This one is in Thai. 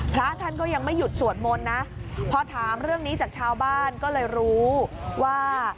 พระท่านก็ยังไม่หยุดสวดมนต์นะพอถามเรื่องนี้จากชาวบ้านก็เลยรู้ว่า